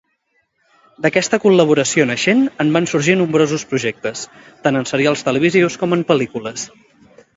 D'aquesta col·laboració naixent en van sorgir nombrosos projectes, tant en serials televisius com en pel·lícules.